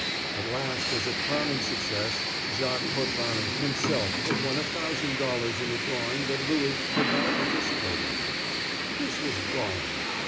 At last, as a crowning success, Jacques Potvin himself had won a thousand dollars in a drawing that Louis could not participate in. This was galling.